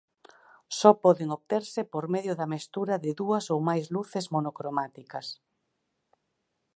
Só poden obterse por medio da mestura de dúas ou máis luces monocromáticas.